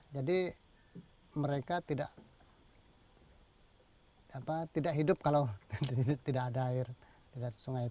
jadi mereka tidak hidup kalau tidak ada air di sungai